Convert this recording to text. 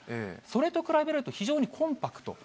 それと比べると、非常にコンパクト。